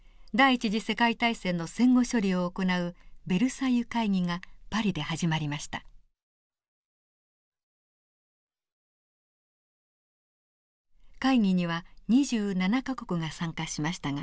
第一次世界大戦の戦後処理を行うベルサイユ会議がパリで始まりました。